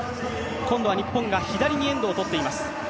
今度は日本が左にエンドをとっています。